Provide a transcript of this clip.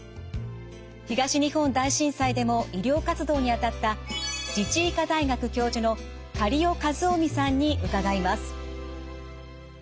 東日本大震災でも医療活動にあたった自治医科大学教授の苅尾七臣さんに伺います。